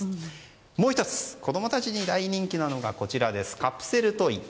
もう１つ子供たちに大人気なのがカプセルトイ。